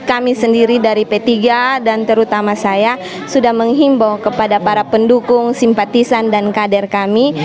jadi kami sendiri dari p tiga dan terutama saya sudah menghimbau kepada para pendukung simpatisan dan kader kami